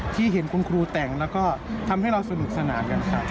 ที่เห็นคุณครูแต่งแล้วก็ทำให้เราสนุกสนานกันครับ